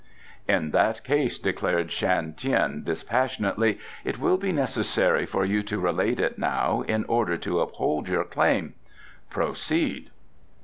"In that case," declared Shan Tien dispassionately, "it will be necessary for you to relate it now, in order to uphold your claim. Proceed."